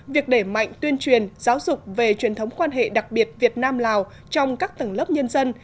việc đẩy mạnh tuyên truyền giáo dục về truyền thống quan hệ đặc biệt việt nam lào trong các tầng lớp nhân dân